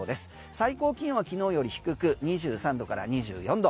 最高気温は昨日より低く２３度から２４度。